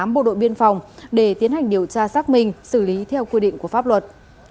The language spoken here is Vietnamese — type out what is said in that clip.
bộ đội biên phòng để tiến hành điều tra xác minh xử lý theo quy định của pháp luật